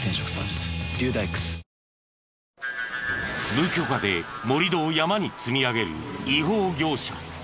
無許可で盛り土を山に積み上げる違法業者。